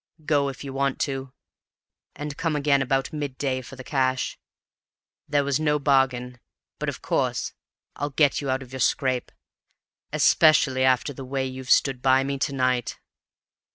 Go, if you want to, and come again about mid day for the cash. There was no bargain; but, of course, I'll get you out of your scrape especially after the way you've stood by me to night."